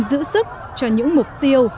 giữ sức cho những mục tiêu